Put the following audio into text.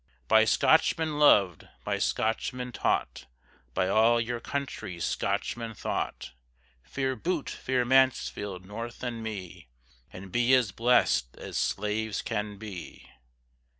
By Scotchmen lov'd, by Scotchmen taught, By all your country Scotchmen thought; Fear Bute, fear Mansfield, North and me, And be as blest as slaves can be.